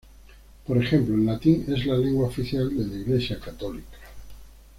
Por ejemplo, el latín es la lengua oficial de la iglesia católica.